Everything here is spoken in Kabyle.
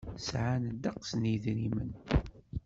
Sɛan ddeqs n yedrimen.